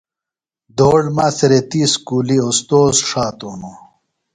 دھوڑ مہ اڅھریتی اُسکولیۡ اوستود ݜاتوۡ ہنوۡ۔